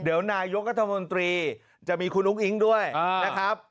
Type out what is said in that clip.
เดี๋ยวนายกรัฐมนตรีจะมีคุณอุ้งอิ๊งด้วยนะครับ